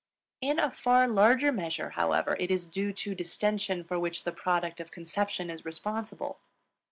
In a far larger measure, however, it is due to distention for which the product of conception is responsible.